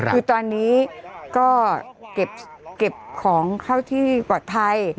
คือตอนนี้ก็เก็บของเข้าที่ปลอดภัย